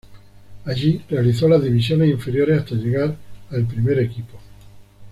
Allí realizó las divisiones inferiores hasta llegar a el Primer equipo.